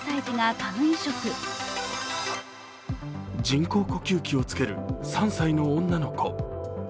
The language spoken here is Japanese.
人工呼吸器をつける３歳の女の子